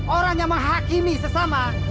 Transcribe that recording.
orang yang menghakimi sesama